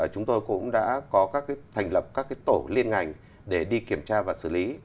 chúng tôi cũng đã có các thành lập các tổ liên ngành để đi kiểm tra và xử lý